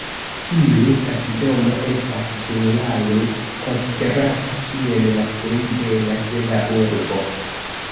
Tiu stacidomo estas ĝenerale konsiderata kiel la plej bela de la urbo.